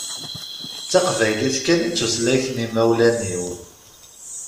D taqbaylit kan i d tutlayt n imawlan-iw.